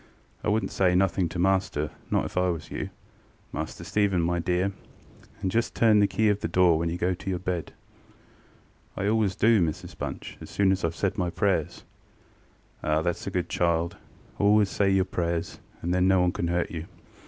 I wouldnŌĆÖt say nothing to master, not if I was you, Master Stephen, my dear; and just turn the key of the door when you go to your bed. ŌĆØ ŌĆ£I always do, Mrs Bunch, as soon as IŌĆÖve said my prayers. ŌĆØ ŌĆ£Ah, thatŌĆÖs a good child: always say your prayers, and then no one canŌĆÖt hurt you.